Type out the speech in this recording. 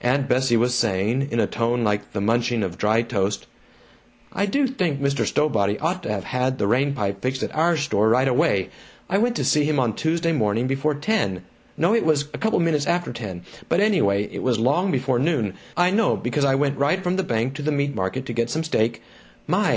Aunt Bessie was saying, in a tone like the munching of dry toast: "I do think Mr. Stowbody ought to have had the rain pipe fixed at our store right away. I went to see him on Tuesday morning before ten, no, it was couple minutes after ten, but anyway, it was long before noon I know because I went right from the bank to the meat market to get some steak my!